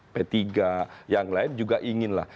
p tiga yang lain juga ingin lah